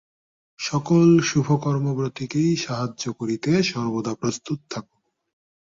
সকল শুভকর্মব্রতীকেই সাহায্য করিতে সর্বদা প্রস্তুত থাক।